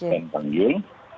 dan peng yung